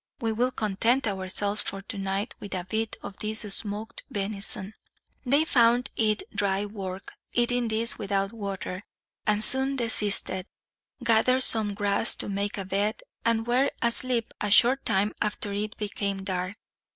We will content ourselves, for tonight, with a bit of this smoked venison." They found it dry work, eating this without water; and soon desisted, gathered some grass to make a bed, and were asleep a short time after it became dark.